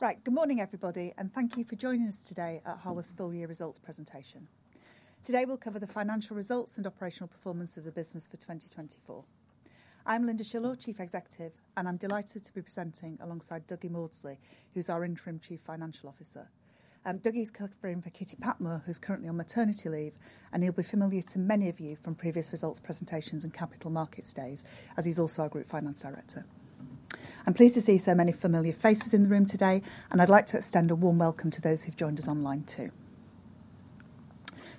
Right, good morning everybody, and thank you for joining us today at Harworth's full-year results presentation. Today we'll cover the financial results and operational performance of the business for 2024. I'm Lynda Shillaw, Chief Executive, and I'm delighted to be presenting alongside Dougie Maudsley, who's our Interim Chief Financial Officer. Dougie's covering for Kitty Patmore, who's currently on maternity leave, and he'll be familiar to many of you from previous results presentations and capital markets days, as he's also our Group Finance Director. I'm pleased to see so many familiar faces in the room today, and I'd like to extend a warm welcome to those who've joined us online too.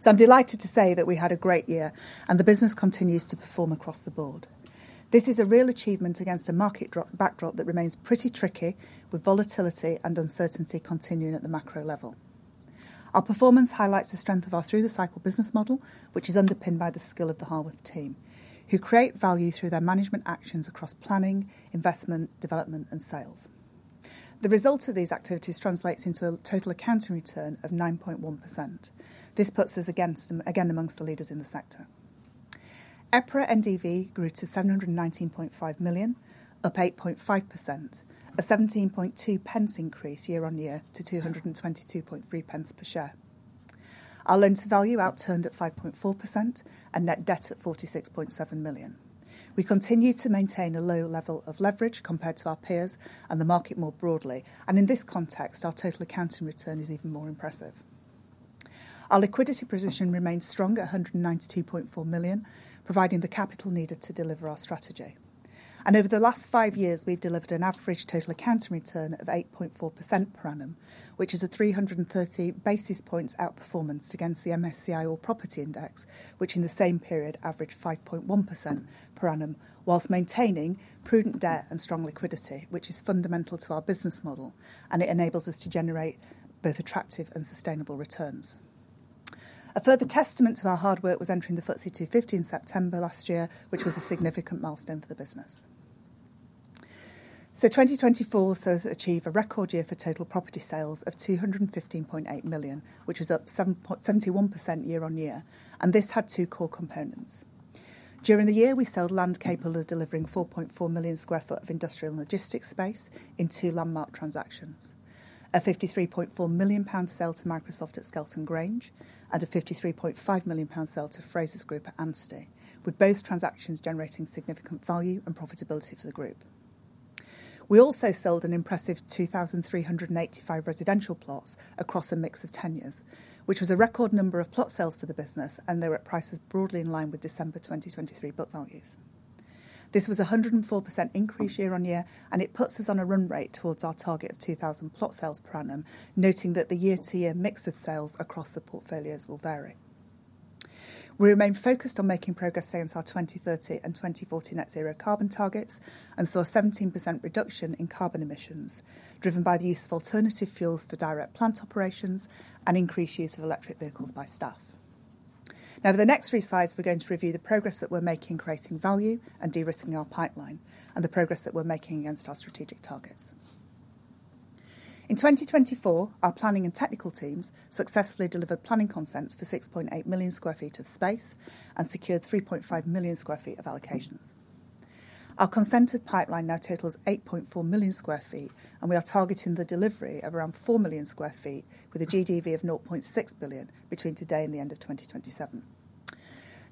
I'm delighted to say that we had a great year, and the business continues to perform across the board. This is a real achievement against a market backdrop that remains pretty tricky, with volatility and uncertainty continuing at the macro level. Our performance highlights the strength of our through-the-cycle business model, which is underpinned by the skill of the Harworth team, who create value through their management actions across planning, investment, development, and sales. The result of these activities translates into a total accounting return of 9.1%. This puts us again amongst the leaders in the sector. EPRA NDV grew to 719.5 million, up 8.5%, a 17.2 pence increase year-on-year to 222.3 pence per share. Our loan-to-value outturned at 5.4% and net debt at 46.7 million. We continue to maintain a low level of leverage compared to our peers and the market more broadly, and in this context, our total accounting return is even more impressive. Our liquidity position remains strong at 192.4 million, providing the capital needed to deliver our strategy. Over the last five years, we've delivered an average total accounting return of 8.4% per annum, which is a 330 basis points outperformance against the MSCI All Property Index, which in the same period averaged 5.1% per annum, whilst maintaining prudent debt and strong liquidity, which is fundamental to our business model, and it enables us to generate both attractive and sustainable returns. A further testament to our hard work was entering the FTSE 250 in September last year, which was a significant milestone for the business. In 2024, we achieved a record year for total property sales of 215.8 million, which was up 71% year-on-year, and this had two core components. During the year, we sold land capable of delivering 4.4 million sq ft of industrial and logistics space in two landmark transactions: a 53.4 million pound sale to Microsoft at Skelton Grange and a 53.5 million pound sale to Frasers Group at Ansty, with both transactions generating significant value and profitability for the group. We also sold an impressive 2,385 residential plots across a mix of tenures, which was a record number of plot sales for the business, and they were at prices broadly in line with December 2023 book values. This was a 104% increase year-on-year, and it puts us on a run rate towards our target of 2,000 plot sales per annum, noting that the year-to-year mix of sales across the portfolios will vary. We remain focused on making progress against our 2030 and 2040 net zero carbon targets and saw a 17% reduction in carbon emissions, driven by the use of alternative fuels for direct plant operations and increased use of electric vehicles by staff. Now, for the next three slides, we're going to review the progress that we're making in creating value and de-risking our pipeline, and the progress that we're making against our strategic targets. In 2024, our planning and technical teams successfully delivered planning consents for 6.8 million sq ft of space and secured 3.5 million sq ft of allocations. Our consented pipeline now totals 8.4 million sq ft, and we are targeting the delivery of around 4 million sq ft with a 0.6 billion GDV between today and the end of 2027.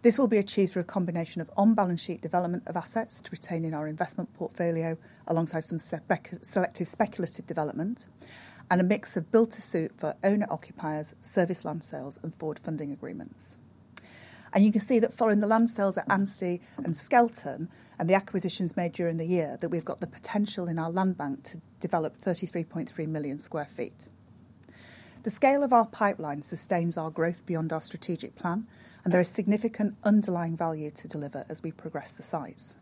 This will be achieved through a combination of on-balance sheet development of assets to retain in our investment portfolio alongside some selective speculative development and a mix of build-to-suit for owner-occupiers, service land sales, and forward funding agreements. You can see that following the land sales at Ansty and Skelton and the acquisitions made during the year, we have the potential in our land bank to develop 33.3 million sq ft. The scale of our pipeline sustains our growth beyond our strategic plan, and there is significant underlying value to deliver as we progress the sites.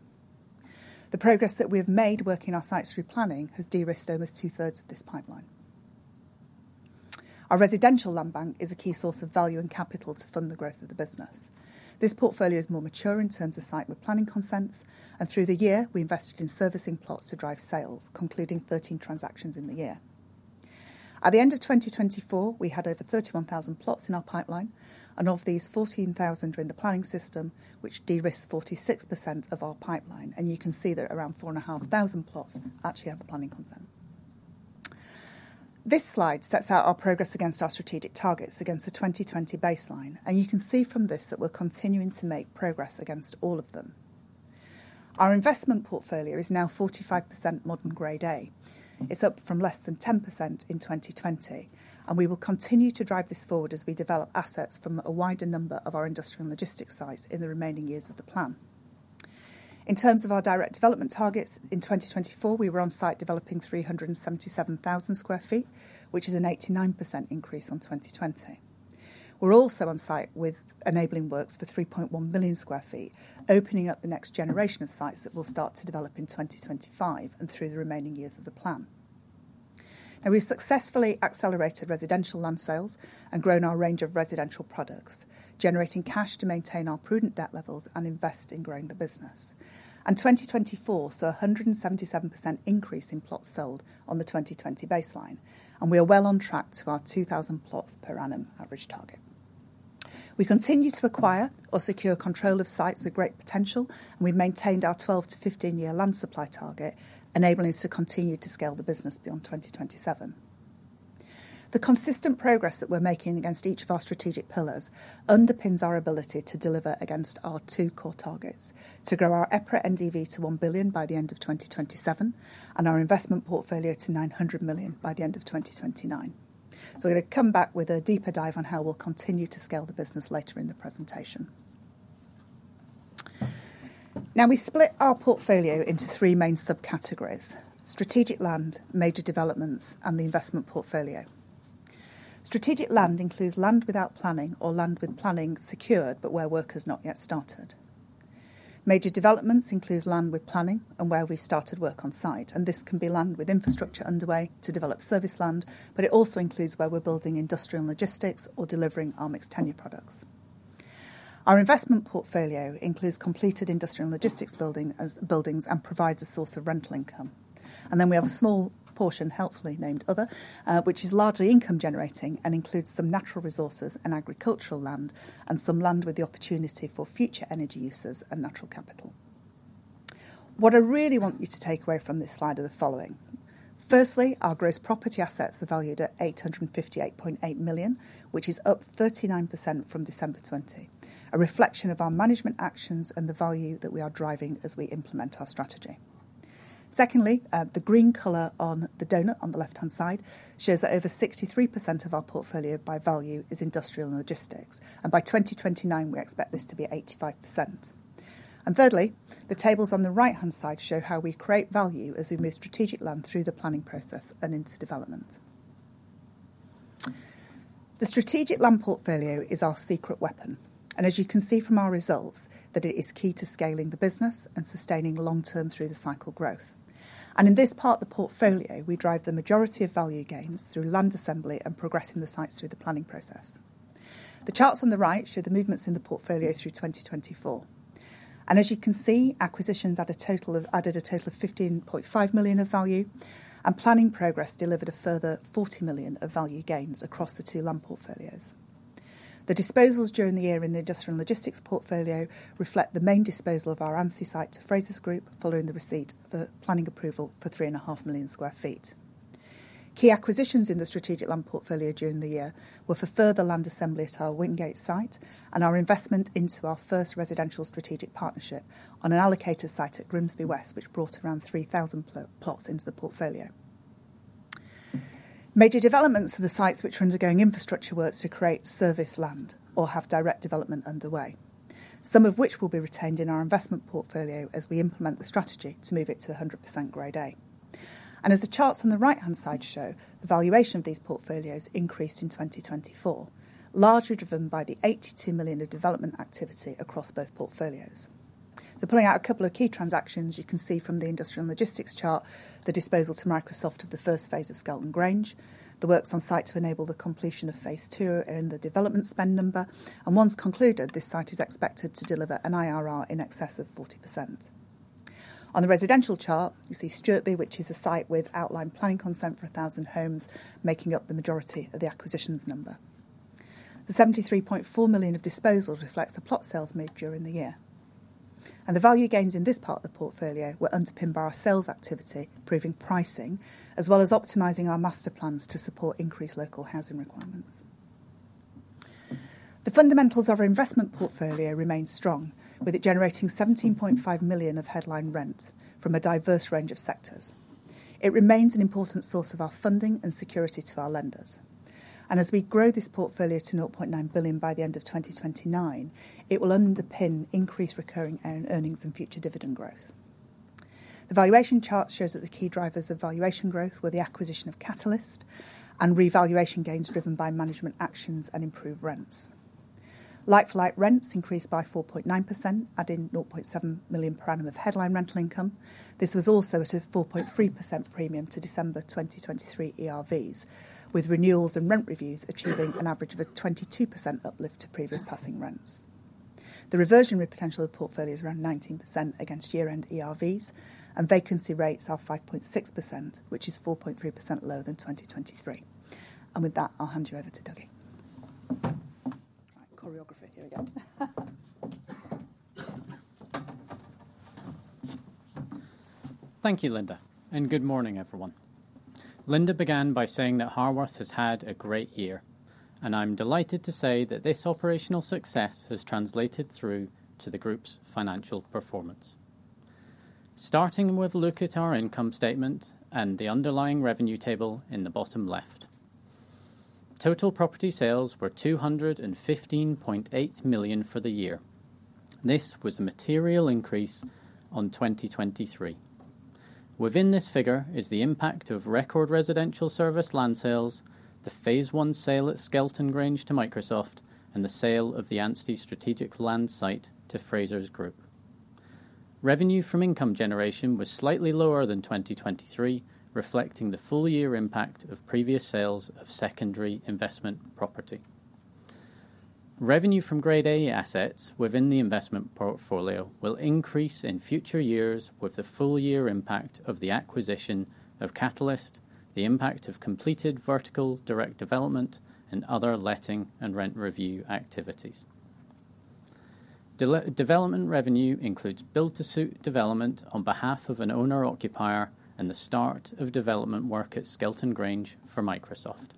The progress that we have made working our sites through planning has de-risked over two-thirds of this pipeline. Our residential land bank is a key source of value and capital to fund the growth of the business. This portfolio is more mature in terms of site with planning consents, and through the year, we invested in servicing plots to drive sales, concluding 13 transactions in the year. At the end of 2024, we had over 31,000 plots in our pipeline, and of these, 14,000 are in the planning system, which de-risked 46% of our pipeline, and you can see that around 4,500 plots actually have a planning consent. This slide sets out our progress against our strategic targets against the 2020 baseline, and you can see from this that we're continuing to make progress against all of them. Our investment portfolio is now 45% modern Grade A. It's up from less than 10% in 2020, and we will continue to drive this forward as we develop assets from a wider number of our industrial and logistics sites in the remaining years of the plan. In terms of our direct development targets, in 2024, we were on site developing 377,000 sq ft, which is an 89% increase on 2020. We are also on site with enabling works for 3.1 million sq ft, opening up the next generation of sites that will start to develop in 2025 and through the remaining years of the plan. We have successfully accelerated residential land sales and grown our range of residential products, generating cash to maintain our prudent debt levels and invest in growing the business. 2024 saw a 177% increase in plots sold on the 2020 baseline, and we are well on track to our 2,000 plots per annum average target. We continue to acquire or secure control of sites with great potential, and we have maintained our 12-15 year land supply target, enabling us to continue to scale the business beyond 2027. The consistent progress that we're making against each of our strategic pillars underpins our ability to deliver against our two core targets: to grow our EPRA NDV to 1 billion by the end of 2027 and our investment portfolio to 900 million by the end of 2029. We are going to come back with a deeper dive on how we'll continue to scale the business later in the presentation. Now, we split our portfolio into three main subcategories: strategic land, major developments, and the investment portfolio. Strategic land includes land without planning or land with planning secured but where work has not yet started. Major developments includes land with planning and where we've started work on site, and this can be land with infrastructure underway to develop serviced land, but it also includes where we're building industrial and logistics or delivering our mixed tenure products. Our investment portfolio includes completed industrial and logistics buildings and provides a source of rental income. We have a small portion, helpfully named Other, which is largely income generating and includes some natural resources and agricultural land and some land with the opportunity for future energy uses and natural capital. What I really want you to take away from this slide are the following. Firstly, our gross property assets are valued at 858.8 million, which is up 39% from December 2020, a reflection of our management actions and the value that we are driving as we implement our strategy. Secondly, the green color on the donut on the left-hand side shows that over 63% of our portfolio by value is industrial and logistics, and by 2029, we expect this to be 85%. Thirdly, the tables on the right-hand side show how we create value as we move strategic land through the planning process and into development. The strategic land portfolio is our secret weapon, and as you can see from our results, it is key to scaling the business and sustaining long-term through the cycle growth. In this part of the portfolio, we drive the majority of value gains through land assembly and progressing the sites through the planning process. The charts on the right show the movements in the portfolio through 2024. As you can see, acquisitions added a total of 15.5 million of value, and planning progress delivered a further 40 million of value gains across the two land portfolios. The disposals during the year in the industrial and logistics portfolio reflect the main disposal of our Ansty site to Frasers Group following the receipt of a planning approval for 3.5 million sq ft. Key acquisitions in the strategic land portfolio during the year were for further land assembly at our Wingates site and our investment into our first residential strategic partnership on an allocated site at Grimsby West, which brought around 3,000 plots into the portfolio. Major developments are the sites which are undergoing infrastructure works to create serviced land or have direct development underway, some of which will be retained in our investment portfolio as we implement the strategy to move it to 100% Grade A. As the charts on the right-hand side show, the valuation of these portfolios increased in 2024, largely driven by the 82 million of development activity across both portfolios. Pulling out a couple of key transactions, you can see from the industrial and logistics chart the disposal to Microsoft of the first phase of Skelton Grange, the works on site to enable the completion of phase II in the development spend number, and once concluded, this site is expected to deliver an IRR in excess of 40%. On the residential chart, you see Stewartby, which is a site with outline planning consent for 1,000 homes, making up the majority of the acquisitions number. The 73.4 million of disposals reflects the plot sales made during the year. The value gains in this part of the portfolio were underpinned by our sales activity, proving pricing, as well as optimizing our master plans to support increased local housing requirements. The fundamentals of our investment portfolio remain strong, with it generating 17.5 million of headline rent from a diverse range of sectors. It remains an important source of our funding and security to our lenders. As we grow this portfolio to 0.9 billion by the end of 2029, it will underpin increased recurring earnings and future dividend growth. The valuation chart shows that the key drivers of valuation growth were the acquisition of Catalyst and revaluation gains driven by management actions and improved rents. Like-for-like rents increased by 4.9%, adding 0.7 million per annum of headline rental income. This was also at a 4.3% premium to December 2023 ERVs, with renewals and rent reviews achieving an average of a 22% uplift to previous passing rents. The reversion potential of the portfolio is around 19% against year-end ERVs, and vacancy rates are 5.6%, which is 4.3% lower than 2023. With that, I'll hand you over to Dougie. Choreography, here we go. Thank you, Lynda, and good morning, everyone. Lynda began by saying that Harworth has had a great year, and I'm delighted to say that this operational success has translated through to the group's financial performance. Starting with a look at our income statement and the underlying revenue table in the bottom left, total property sales were 215.8 million for the year. This was a material increase on 2023. Within this figure is the impact of record residential serviced land sales, the phase I sale at Skelton Grange to Microsoft, and the sale of the Ansty strategic land site to Frasers Group. Revenue from income generation was slightly lower than 2023, reflecting the full year impact of previous sales of secondary investment property. Revenue from Grade A assets within the investment portfolio will increase in future years with the full year impact of the acquisition of Catalyst, the impact of completed vertical direct development, and other letting and rent review activities. Development revenue includes build-to-suit development on behalf of an owner-occupier and the start of development work at Skelton Grange for Microsoft.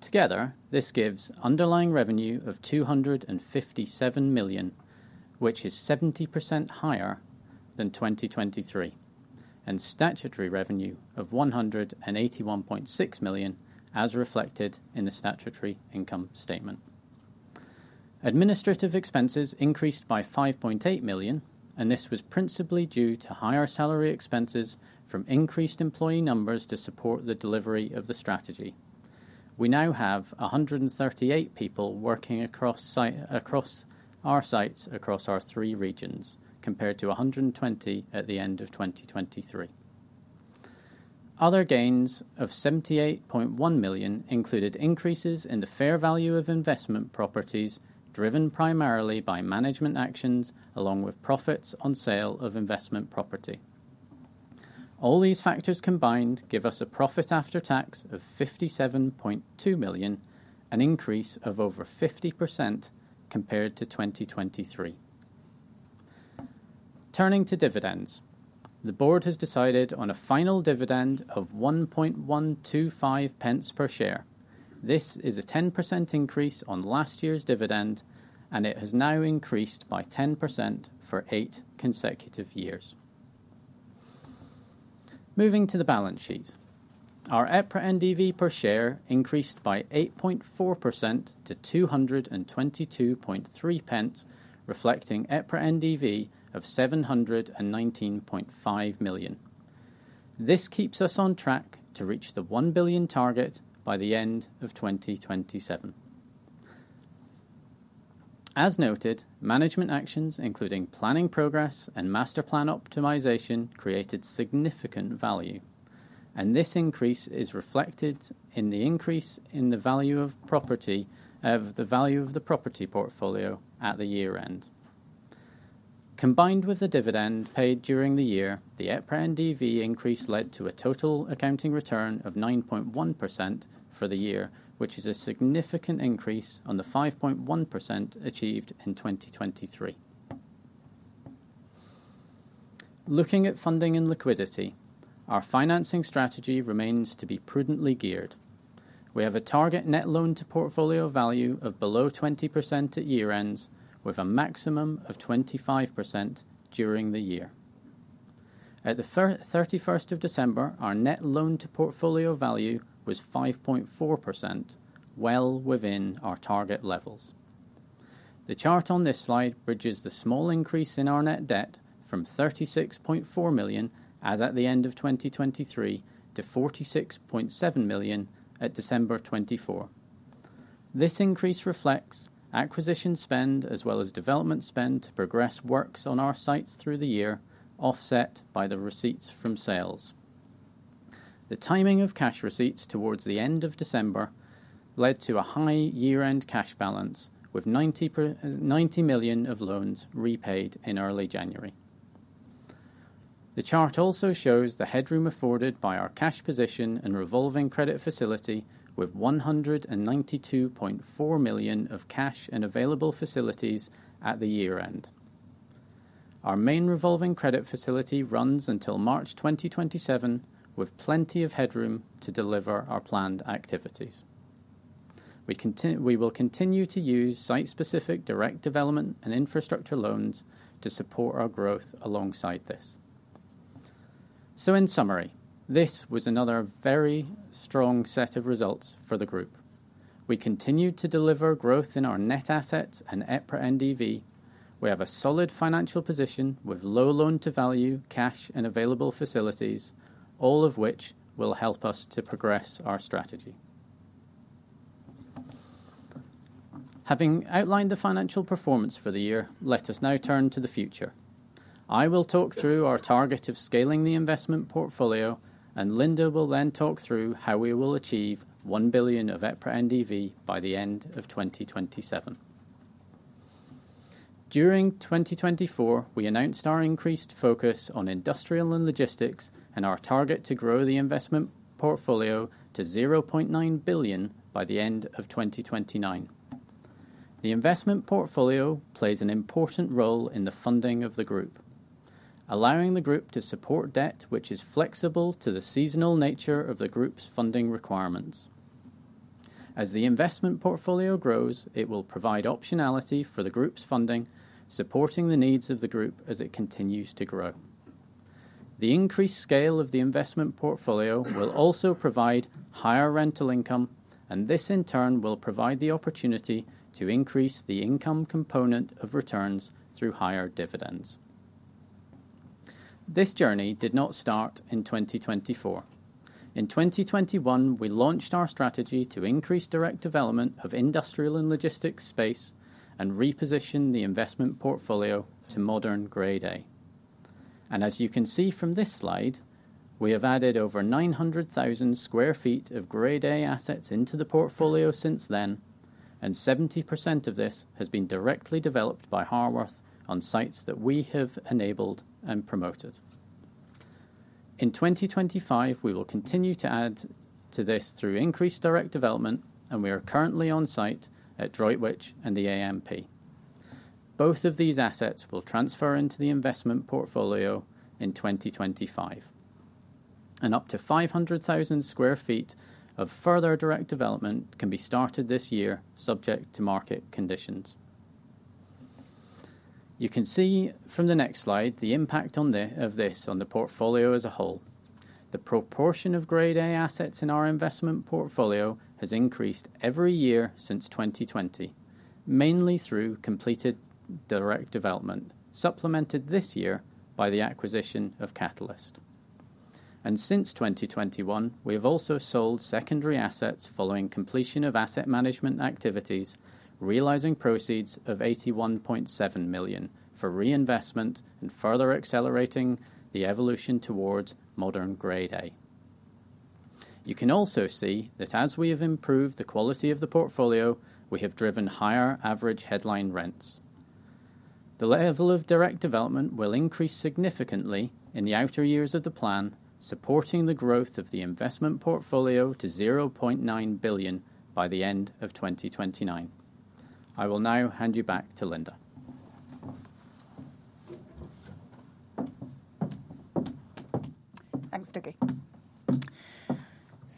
Together, this gives underlying revenue of 257 million, which is 70% higher than 2023, and statutory revenue of GBP 181.6 million, as reflected in the statutory income statement. Administrative expenses increased by 5.8 million, and this was principally due to higher salary expenses from increased employee numbers to support the delivery of the strategy. We now have 138 people working across our sites across our three regions, compared to 120 at the end of 2023. Other gains of 78.1 million included increases in the fair value of investment properties driven primarily by management actions along with profits on sale of investment property. All these factors combined give us a profit after tax of 57.2 million, an increase of over 50% compared to 2023. Turning to dividends, the Board has decided on a final dividend of 1.125 pence per share. This is a 10% increase on last year's dividend, and it has now increased by 10% for eight consecutive years. Moving to the balance sheet, our EPRA NDV per share increased by 8.4% to 222.3 pence, reflecting EPRA NDV of 719.5 million. This keeps us on track to reach the 1 billion target by the end of 2027. As noted, management actions, including planning progress and master plan optimization, created significant value, and this increase is reflected in the increase in the value of the property portfolio at the year-end. Combined with the dividend paid during the year, the EPRA NDV increase led to a total accounting return of 9.1% for the year, which is a significant increase on the 5.1% achieved in 2023. Looking at funding and liquidity, our financing strategy remains to be prudently geared. We have a target net loan-to-value of below 20% at year-ends, with a maximum of 25% during the year. At the 31st of December, our net loan-to-value was 5.4%, well within our target levels. The chart on this slide bridges the small increase in our net debt from 36.4 million, as at the end of 2023, to 46.7 million at December 2024. This increase reflects acquisition spend as well as development spend to progress works on our sites through the year, offset by the receipts from sales. The timing of cash receipts towards the end of December led to a high year-end cash balance, with 90 million of loans repaid in early January. The chart also shows the headroom afforded by our cash position and revolving credit facility with 192.4 million of cash and available facilities at the year-end. Our main revolving credit facility runs until March 2027, with plenty of headroom to deliver our planned activities. We will continue to use site-specific direct development and infrastructure loans to support our growth alongside this. In summary, this was another very strong set of results for the group. We continue to deliver growth in our net assets and EPRA NDV. We have a solid financial position with low loan-to-value, cash, and available facilities, all of which will help us to progress our strategy. Having outlined the financial performance for the year, let us now turn to the future. I will talk through our target of scaling the investment portfolio, and Lynda will then talk through how we will achieve 1 billion of EPRA NDV by the end of 2027. During 2024, we announced our increased focus on industrial and logistics and our target to grow the investment portfolio to 0.9 billion by the end of 2029. The investment portfolio plays an important role in the funding of the group, allowing the group to support debt which is flexible to the seasonal nature of the group's funding requirements. As the investment portfolio grows, it will provide optionality for the group's funding, supporting the needs of the group as it continues to grow. The increased scale of the investment portfolio will also provide higher rental income, and this in turn will provide the opportunity to increase the income component of returns through higher dividends. This journey did not start in 2024. In 2021, we launched our strategy to increase direct development of industrial and logistics space and reposition the investment portfolio to modern Grade A. As you can see from this slide, we have added over 900,000 sq ft of Grade A assets into the portfolio since then, and 70% of this has been directly developed by Harworth on sites that we have enabled and promoted. In 2025, we will continue to add to this through increased direct development, and we are currently on site at Droitwich and the AMP. Both of these assets will transfer into the investment portfolio in 2025, and up to 500,000 sq ft of further direct development can be started this year, subject to market conditions. You can see from the next slide the impact of this on the portfolio as a whole. The proportion of Grade A assets in our investment portfolio has increased every year since 2020, mainly through completed direct development, supplemented this year by the acquisition of Catalyst. Since 2021, we have also sold secondary assets following completion of asset management activities, realizing proceeds of 81.7 million for reinvestment and further accelerating the evolution towards modern Grade A. You can also see that as we have improved the quality of the portfolio, we have driven higher average headline rents. The level of direct development will increase significantly in the outer years of the plan, supporting the growth of the investment portfolio to 0.9 billion by the end of 2029. I will now hand you back to Lynda. Thanks, Dougie.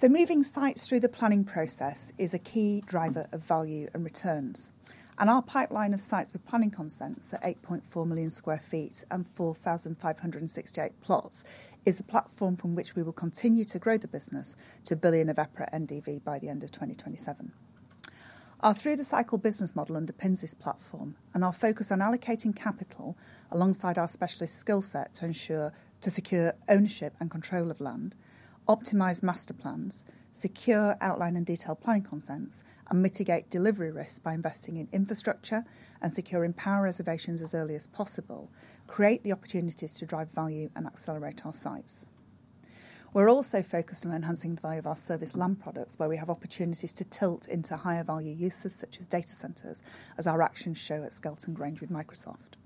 Moving sites through the planning process is a key driver of value and returns. Our pipeline of sites with planning consents at 8.4 million sq ft and 4,568 plots is the platform from which we will continue to grow the business to 1 billion of EPRA NDV by the end of 2027. Our through-the-cycle business model underpins this platform, and our focus on allocating capital alongside our specialist skill set to ensure to secure ownership and control of land, optimize master plans, secure outline and detailed planning consents, and mitigate delivery risks by investing in infrastructure and securing power reservations as early as possible, create the opportunities to drive value and accelerate our sites. We're also focused on enhancing the value of our serviced land products, where we have opportunities to tilt into higher value uses such as data centers, as our actions show at Skelton Grange with Microsoft.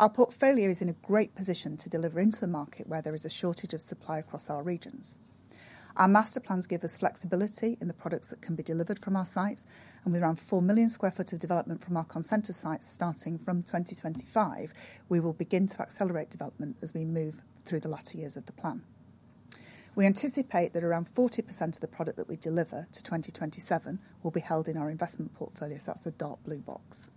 Our portfolio is in a great position to deliver into a market where there is a shortage of supply across our regions. Our master plans give us flexibility in the products that can be delivered from our sites, and with around 4 million sq ft of development from our consented sites starting from 2025, we will begin to accelerate development as we move through the latter years of the plan. We anticipate that around 40% of the product that we deliver to 2027 will be held in our investment portfolio. That is the dark blue box.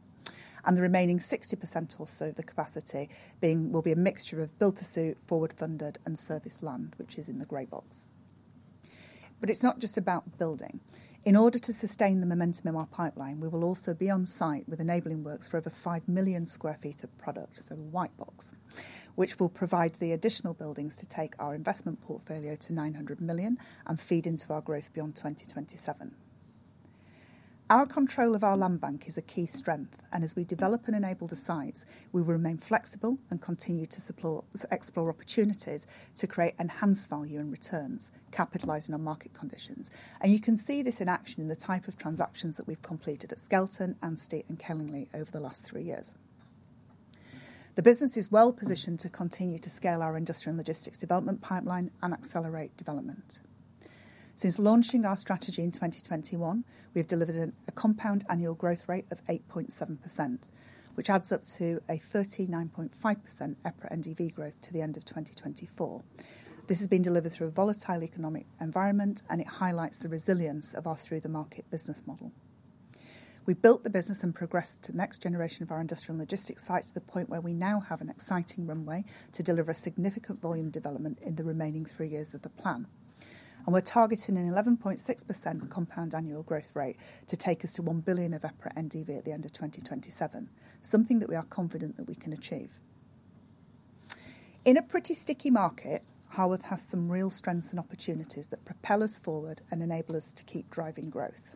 The remaining 60% or so of the capacity will be a mixture of build-to-suit, forward-funded, and serviced land, which is in the grey box. It is not just about building. In order to sustain the momentum in our pipeline, we will also be on site with enabling works for over 5 million sq ft of product. It's a white box, which will provide the additional buildings to take our investment portfolio to 900 million and feed into our growth beyond 2027. Our control of our land bank is a key strength, and as we develop and enable the sites, we will remain flexible and continue to explore opportunities to create enhanced value and returns, capitalizing on market conditions. You can see this in action in the type of transactions that we've completed at Skelton Grange, Ansty, and Kellingley over the last three years. The business is well positioned to continue to scale our industrial and logistics development pipeline and accelerate development. Since launching our strategy in 2021, we have delivered a compound annual growth rate of 8.7%, which adds up to a 39.5% EPRA NDV growth to the end of 2024. This has been delivered through a volatile economic environment, and it highlights the resilience of our through-the-market business model. We've built the business and progressed to the next generation of our industrial and logistics sites to the point where we now have an exciting runway to deliver a significant volume development in the remaining three years of the plan. We are targeting an 11.6% compound annual growth rate to take us to 1 billion of EPRA NDV at the end of 2027, something that we are confident that we can achieve. In a pretty sticky market, Harworth has some real strengths and opportunities that propel us forward and enable us to keep driving growth.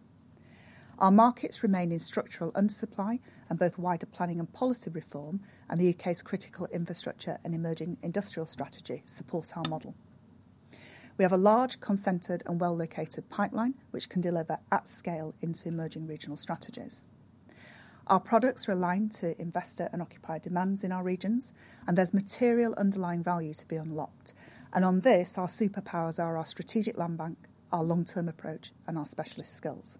Our markets remain in structural undersupply, and both wider planning and policy reform and the U.K.'s critical infrastructure and emerging industrial strategy support our model. We have a large, concentrated, and well-located pipeline, which can deliver at scale into emerging regional strategies. Our products are aligned to investor and occupier demands in our regions, and there is material underlying value to be unlocked. On this, our superpowers are our strategic land bank, our long-term approach, and our specialist skills.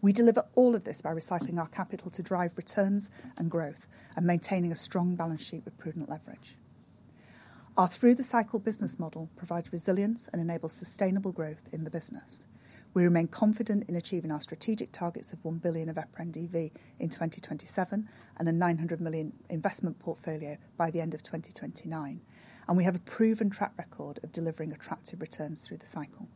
We deliver all of this by recycling our capital to drive returns and growth and maintaining a strong balance sheet with prudent leverage. Our through-the-cycle business model provides resilience and enables sustainable growth in the business. We remain confident in achieving our strategic targets of 1 billion of EPRA NDV in 2027 and a 900 million investment portfolio by the end of 2029. We have a proven track record of delivering attractive returns through the cycle.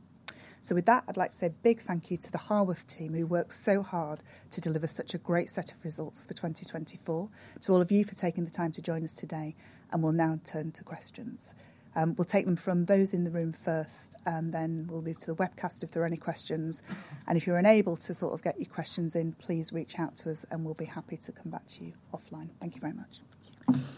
With that, I'd like to say a big thank you to the Harworth team who worked so hard to deliver such a great set of results for 2024. To all of you for taking the time to join us today, we'll now turn to questions. We'll take them from those in the room first, and then we'll move to the webcast if there are any questions. If you're unable to sort of get your questions in, please reach out to us, and we'll be happy to come back to you offline. Thank you very much. Hi, good morning.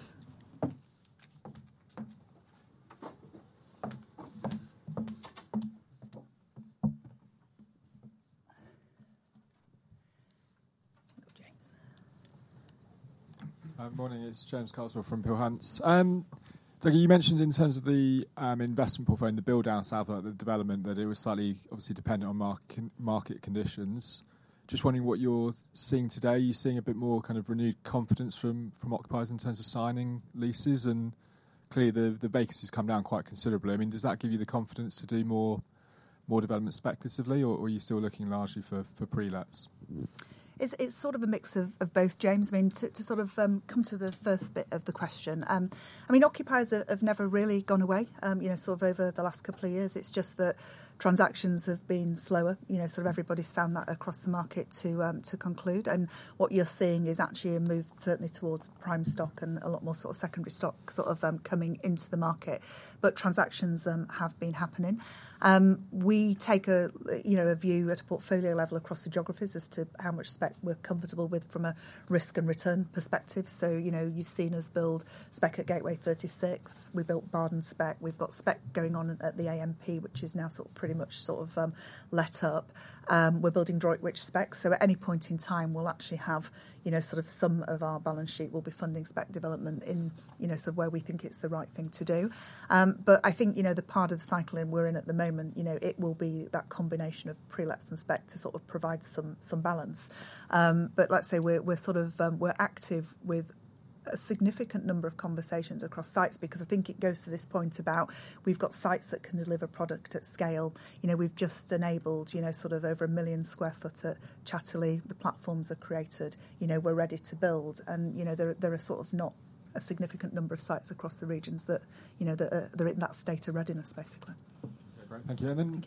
It's James Kassouf from Behance. Dougie, you mentioned in terms of the investment portfolio, the build-out, the development, that it was slightly, obviously, dependent on market conditions. Just wondering what you're seeing today. Are you seeing a bit more kind of renewed confidence from occupiers in terms of signing leases? Clearly, the vacancy has come down quite considerably. I mean, does that give you the confidence to do more development speculatively, or are you still looking largely for pre-lets? It's sort of a mix of both, James. I mean, to sort of come to the first bit of the question, occupiers have never really gone away, sort of over the last couple of years. It's just that transactions have been slower. Everybody's found that across the market to conclude. What you're seeing is actually a move, certainly, towards prime stock and a lot more sort of secondary stock coming into the market. Transactions have been happening. We take a view at a portfolio level across the geographies as to how much spec we're comfortable with from a risk and return perspective. You have seen us build spec at Gateway 36. We built Bardon spec. We have got spec going on at the AMP, which is now sort of pretty much sort of let up. We are building Droitwich spec. At any point in time, we will actually have sort of some of our balance sheet will be funding spec development in sort of where we think it is the right thing to do. I think the part of the cycle we are in at the moment, it will be that combination of pre-lets and spec to sort of provide some balance. Let's say we're sort of active with a significant number of conversations across sites because I think it goes to this point about we've got sites that can deliver product at scale. We've just enabled over 1 million sq ft at Chatterley. The platforms are created. We're ready to build. There are not a significant number of sites across the regions that are in that state of readiness, basically. Great. Thank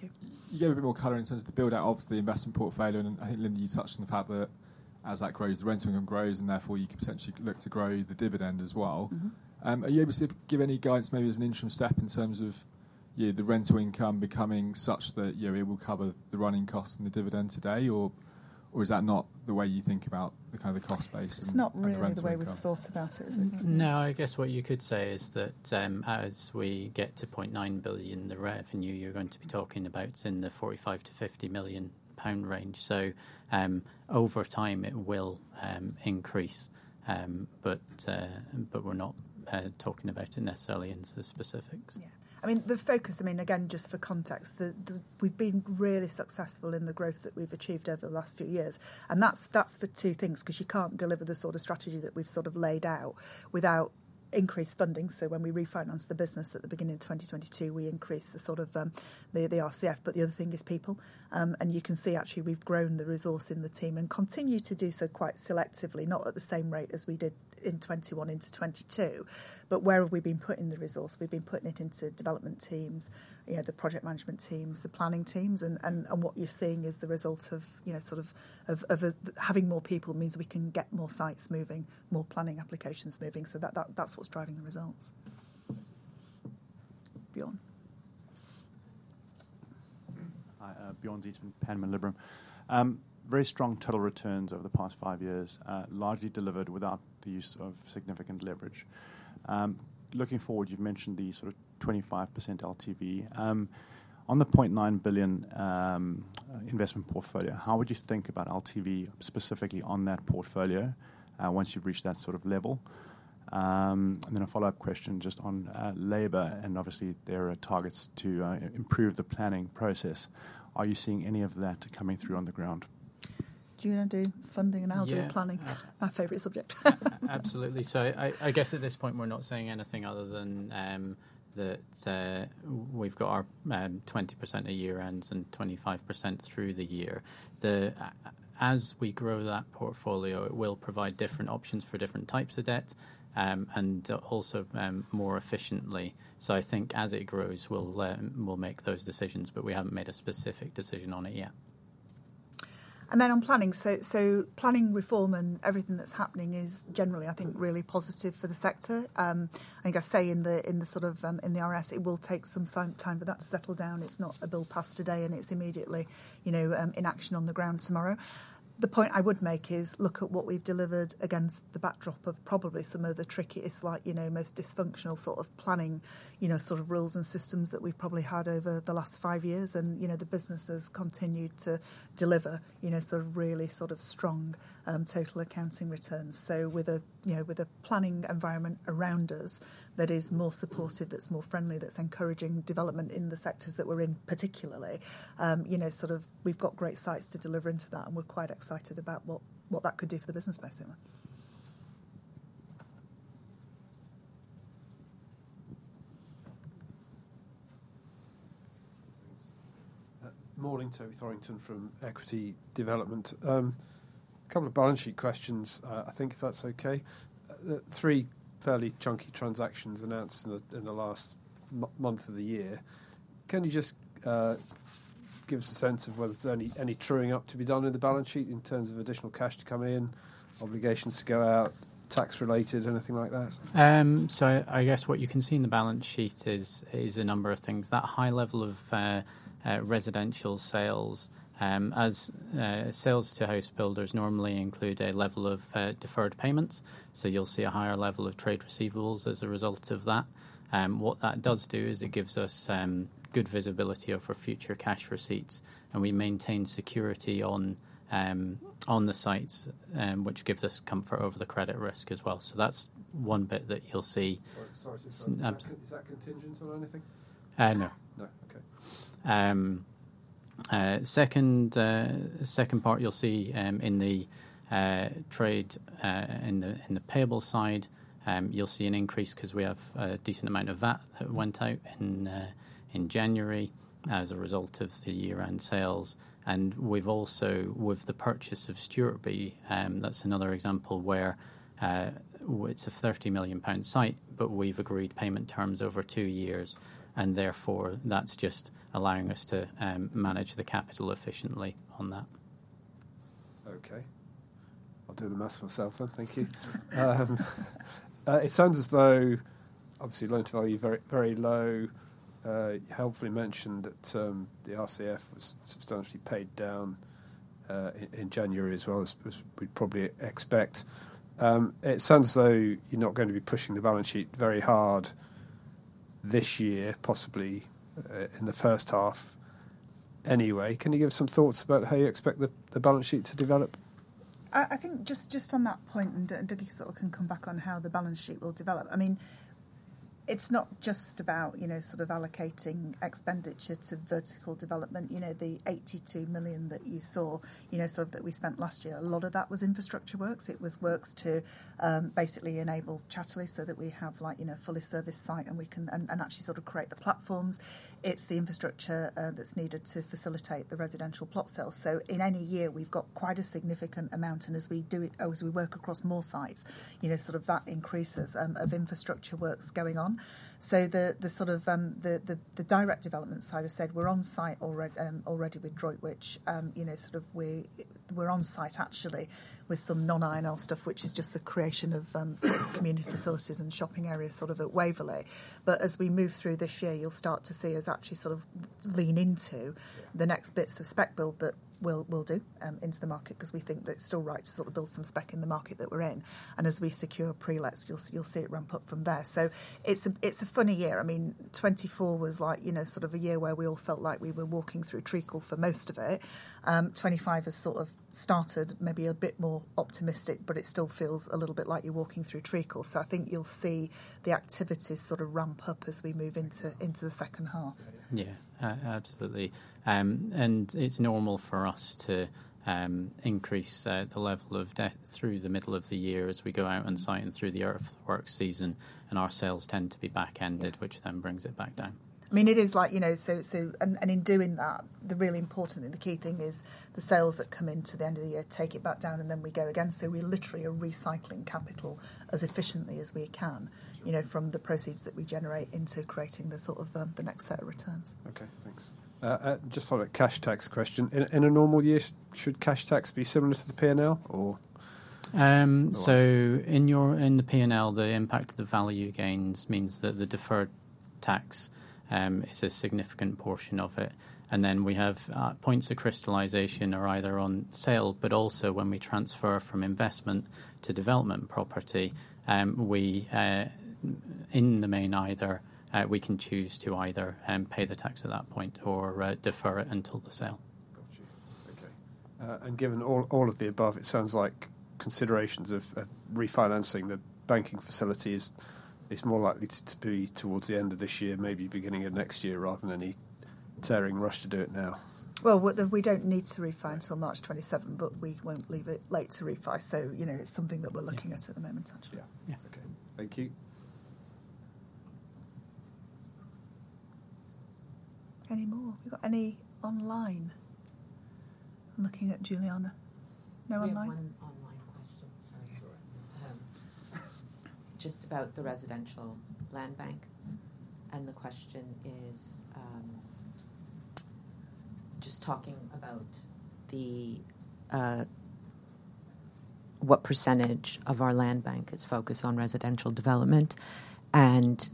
you. You gave a bit more color in terms of the build-out of the investment portfolio. I think, Lynda, you touched on the fact that as that grows, the rental income grows, and therefore you could potentially look to grow the dividend as well. Are you able to give any guidance, maybe as an interim step, in terms of the rental income becoming such that it will cover the running cost and the dividend today? Is that not the way you think about the kind of the cost base? It's not really the way we've thought about it. No, I guess what you could say is that as we get to 0.9 billion, the revenue you're going to be talking about is in the 45 million-50 million pound range. Over time, it will increase. We're not talking about it necessarily in the specifics. I mean, the focus, I mean, again, just for context, we've been really successful in the growth that we've achieved over the last few years. That is for two things because you cannot deliver the sort of strategy that we have sort of laid out without increased funding. When we refinanced the business at the beginning of 2022, we increased the sort of the RCF. The other thing is people. You can see, actually, we have grown the resource in the team and continue to do so quite selectively, not at the same rate as we did in 2021 into 2022. Where have we been putting the resource? We have been putting it into development teams, the project management teams, the planning teams. What you are seeing is the result of sort of having more people means we can get more sites moving, more planning applications moving. That is what is driving the results. Hi, Bjorn. Hi, Bjorn Zietsman, Panmure Liberum. Very strong total returns over the past five years, largely delivered without the use of significant leverage. Looking forward, you've mentioned the sort of 25% LTV. On the 0.9 billion investment portfolio, how would you think about LTV specifically on that portfolio once you've reached that sort of level? A follow-up question just on labor. Obviously, there are targets to improve the planning process. Are you seeing any of that coming through on the ground? Do you want to do funding and I'll do planning? My favorite subject. Absolutely. I guess at this point, we're not saying anything other than that we've got our 20% at year end and 25% through the year. As we grow that portfolio, it will provide different options for different types of debt and also more efficiently. I think as it grows, we'll make those decisions, but we haven't made a specific decision on it yet. On planning, planning reform and everything that's happening is generally, I think, really positive for the sector. I think I say in the sort of in the RS, it will take some time for that to settle down. It's not a bill passed today, and it's immediately in action on the ground tomorrow. The point I would make is look at what we've delivered against the backdrop of probably some of the trickiest, most dysfunctional sort of planning sort of rules and systems that we've probably had over the last five years. The business has continued to deliver sort of really sort of strong total accounting returns. With a planning environment around us that is more supportive, that's more friendly, that's encouraging development in the sectors that we're in particularly, sort of we've got great sites to deliver into that, and we're quite excited about what that could do for the business basically. Morning, Toby Thorrington from Equity Development. A couple of balance sheet questions, I think, if that's okay. Three fairly chunky transactions announced in the last month of the year. Can you just give us a sense of whether there's any truing up to be done in the balance sheet in terms of additional cash to come in, obligations to go out, tax related, anything like that? I guess what you can see in the balance sheet is a number of things. That high level of residential sales, as sales to host builders normally include a level of deferred payments. You'll see a higher level of trade receivables as a result of that. What that does do is it gives us good visibility of our future cash receipts, and we maintain security on the sites, which gives us comfort over the credit risk as well. That's one bit that you'll see. Sorry, is that contingent on anything? No. The second part you'll see in the payable side, you'll see an increase because we have a decent amount of that went out in January as a result of the year-end sales. We've also, with the purchase of Stewartby, that's another example where it's a 30 million pound site, but we've agreed payment terms over two years. Therefore, that's just allowing us to manage the capital efficiently on that. Okay. I'll do the maths myself then. Thank you. It sounds as though, obviously, loan-to-value very low. You helpfully mentioned that the RCF was substantially paid down in January as well as we'd probably expect. It sounds as though you're not going to be pushing the balance sheet very hard this year, possibly in the first half anyway. Can you give some thoughts about how you expect the balance sheet to develop? I think just on that point, and Dougie can sort of come back on how the balance sheet will develop. I mean, it's not just about sort of allocating expenditure to vertical development. The 82 million that you saw, sort of that we spent last year, a lot of that was infrastructure works. It was works to basically enable Chatterley so that we have a fully serviced site and we can actually sort of create the platforms. It's the infrastructure that's needed to facilitate the residential plot sales. In any year, we've got quite a significant amount. As we do it, as we work across more sites, that increases the infrastructure works going on. The direct development side has said, we're on site already with Droitwich. We're on site, actually, with some non-I&L stuff, which is just the creation of community facilities and shopping areas at Waverley. As we move through this year, you'll start to see us actually lean into the next bits of spec build that we'll do into the market because we think that it's still right to build some spec in the market that we're in. As we secure pre-lets, you'll see it ramp up from there. It's a funny year. I mean, 2024 was sort of a year where we all felt like we were walking through treacle for most of it. 2025 has sort of started maybe a bit more optimistic, but it still feels a little bit like you're walking through treacle. I think you'll see the activity sort of ramp up as we move into the second half. Yeah, absolutely. It is normal for us to increase the level of debt through the middle of the year as we go out on site and through the earthwork season. Our sales tend to be back-ended, which then brings it back down. I mean, in doing that, the really important and the key thing is the sales that come into the end of the year take it back down, and then we go again. We literally are recycling capital as efficiently as we can from the proceeds that we generate into creating the sort of the next set of returns. Okay, thanks. Just sort of a cash tax question. In a normal year, should cash tax be similar to the P&L or? In the P&L, the impact of the value gains means that the deferred tax is a significant portion of it. Then we have points of crystallisation either on sale, but also when we transfer from investment to development property. In the main, we can choose to either pay the tax at that point or defer it until the sale. Got you. Okay. Given all of the above, it sounds like considerations of refinancing the banking facility is more likely to be towards the end of this year, maybe beginning of next year rather than any tearing rush to do it now. We do not need to refinance until March 2027, but we will not leave it late to refi. It is something that we are looking at at the moment, actually. Yeah. Okay. Thank you. Any more? We have any online? I am looking at Juliana. No online? Yeah, one online question. Sorry. Sure. Just about the residential land bank. The question is just talking about what percentage of our land bank is focused on residential development, and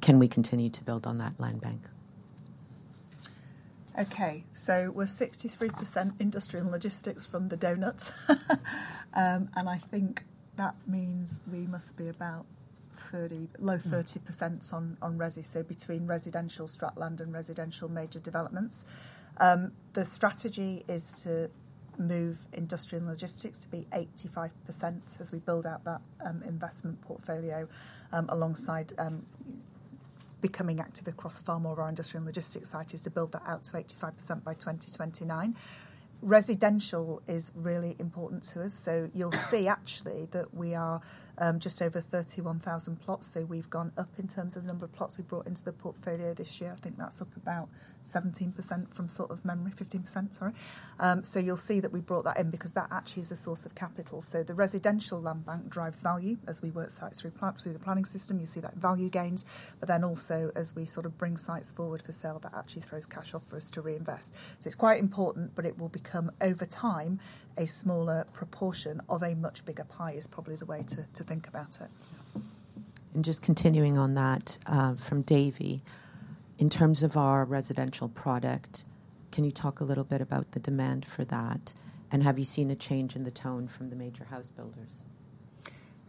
can we continue to build on that land bank? Okay. We are 63% industrial and logistics from the donuts. I think that means we must be about low 30% on resi, so between residential Strategic Land and residential major developments. The strategy is to move industrial and logistics to be 85% as we build out that investment portfolio alongside becoming active across far more of our industrial and logistics sites, to build that out to 85% by 2029. Residential is really important to us. You will see actually that we are just over 31,000 plots. We have gone up in terms of the number of plots we brought into the portfolio this year. I think that is up about 17% from sort of memory, 15%, sorry. You will see that we brought that in because that actually is a source of capital. The residential land bank drives value as we work sites through the planning system. You see that value gains, but then also as we sort of bring sites forward for sale, that actually throws cash off for us to reinvest. It is quite important, but it will become over time a smaller proportion of a much bigger pie is probably the way to think about it. Just continuing on that from Davie, in terms of our residential product, can you talk a little bit about the demand for that? Have you seen a change in the tone from the major house builders?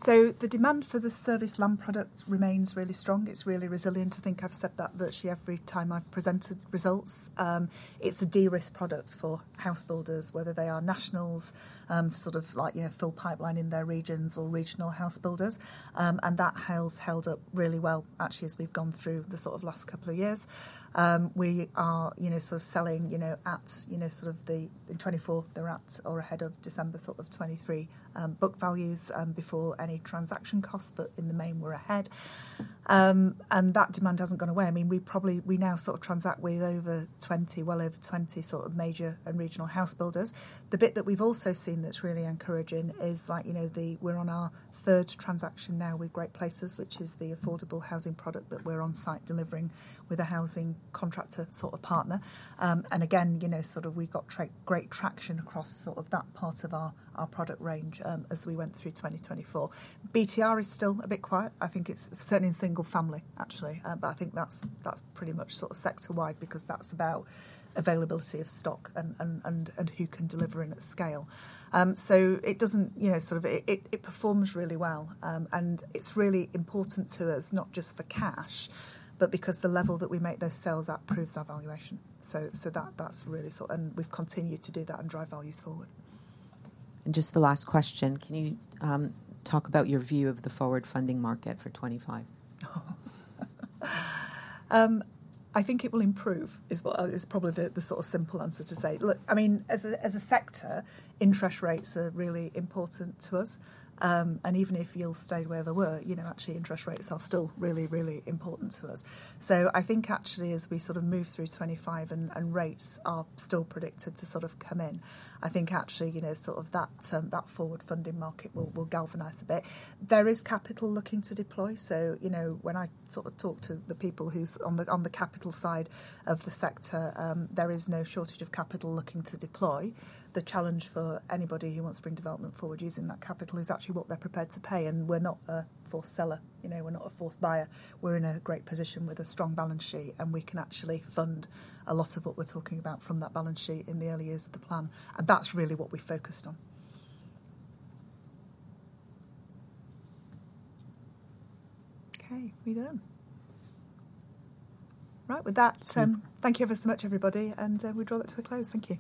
The demand for the serviced land product remains really strong. It is really resilient. I think I have said that virtually every time I have presented results. It is a de-risk product for house builders, whether they are nationals, sort of like full pipeline in their regions or regional house builders. That has held up really well, actually, as we've gone through the sort of last couple of years. We are sort of selling at sort of the 2024, they're at or ahead of December 2023 book values before any transaction costs, but in the main, we're ahead. That demand hasn't gone away. I mean, we now sort of transact with over 20, well over 20 sort of major and regional house builders. The bit that we've also seen that's really encouraging is like we're on our third transaction now with Great Places, which is the affordable housing product that we're on site delivering with a housing contractor sort of partner. Again, sort of we've got great traction across sort of that part of our product range as we went through 2024. BTR is still a bit quiet. I think it's certainly in single family, actually. I think that's pretty much sort of sector-wide because that's about availability of stock and who can deliver in at scale. It doesn't sort of it performs really well. It's really important to us, not just for cash, but because the level that we make those sales at proves our valuation. That's really sort of and we've continued to do that and drive values forward. Just the last question, can you talk about your view of the forward funding market for 2025? I think it will improve is probably the sort of simple answer to say. Look, I mean, as a sector, interest rates are really important to us. Even if yields stayed where they were, actually, interest rates are still really, really important to us. I think actually, as we sort of move through 2025 and rates are still predicted to sort of come in, I think actually sort of that forward funding market will galvanize a bit. There is capital looking to deploy. When I sort of talk to the people who are on the capital side of the sector, there is no shortage of capital looking to deploy. The challenge for anybody who wants to bring development forward using that capital is actually what they're prepared to pay. We're not a forced seller. We're not a forced buyer. We're in a great position with a strong balance sheet, and we can actually fund a lot of what we're talking about from that balance sheet in the early years of the plan. That's really what we focused on. Okay, we're done. Right, with that, thank you ever so much, everybody, and we draw that to a close. Thank you.